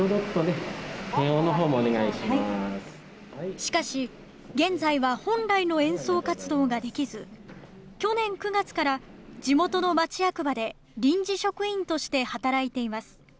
しかし、現在は本来の演奏活動ができず、去年９月から地元の町役場で臨時職員として働いています。